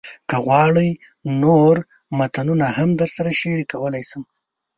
که غواړئ، نور متنونه هم درسره شریکولی شم.